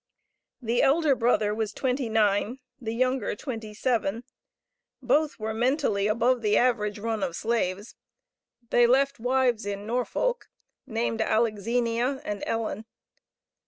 The elder brother was twenty nine, the younger twenty seven. Both were mentally above the average run of slaves. They left wives in Norfolk, named Alexenia and Ellen.